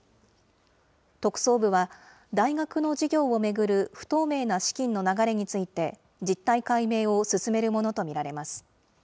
特捜部は、大学の事業を巡る不透明な資金の流れについて、実態解明を進めるものと見られます。